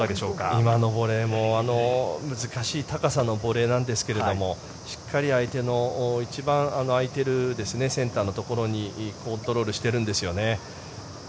今のボレーも難しい高さのボレーなんですけどしっかり相手の一番空いているセンターのところにコントロールしているんですよね。